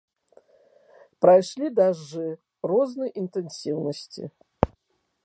Прайшлі дажджы рознай інтэнсіўнасці.